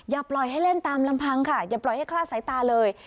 อย่าปล่อยให้เล่นตามลำพังค่ะอย่าปล่อยให้คลาดสายตาเลย